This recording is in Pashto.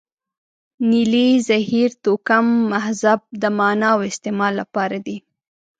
نیلې، زهیر، توکم، مهذب د معنا او استعمال لپاره دي.